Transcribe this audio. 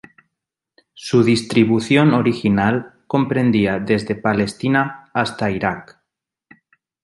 Su distribución original comprendía desde Palestina hasta Irak.